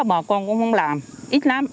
bà con cũng không làm ít lắm